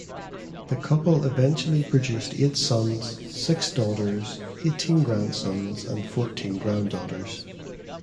The couple eventually produced eight sons, six daughters, eighteen grandsons and fourteen granddaughters.